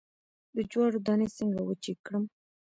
د جوارو دانی څنګه وچې کړم؟